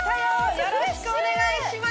よろしくお願いします